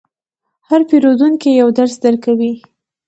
هر پیرودونکی یو درس درکوي.